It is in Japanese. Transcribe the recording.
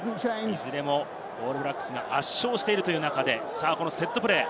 いずれもオールブラックスが圧勝しているという中でセットプレー。